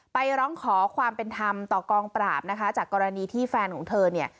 ร้องขอความเป็นธรรมต่อกองปราบนะคะจากกรณีที่แฟนของเธอเนี่ย